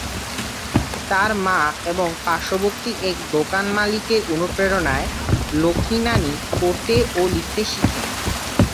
তার মা এবং পার্শবর্তী এক দোকান মালিকের অনুপ্রেরণায় লক্ষ্মী নানি পড়তে ও লিখতে শিখেন।